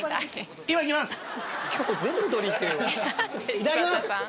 いただきます。